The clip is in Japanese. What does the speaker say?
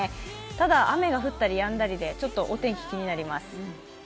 ただ、雨が降ったりやんだりでちょっとお天気が気になります。